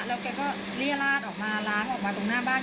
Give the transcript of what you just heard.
แล้วแกก็เรียลาดออกมาล้างออกมาตรงหน้าบ้าน